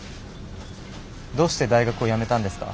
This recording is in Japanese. どうして大学を辞めたんですか？